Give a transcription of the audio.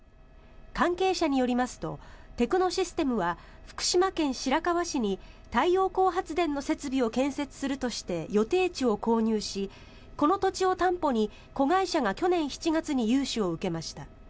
関係者によりますとテクノシステムは福島県白河市に太陽光発電の設備を建設するとして予定地を購入しこの土地を担保に子会社が去年７月に融資を受けました。